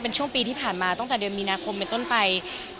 เป็นช่วงปีที่ผ่านมาตั้งแต่เดือนมีนาคมเป็นต้นไป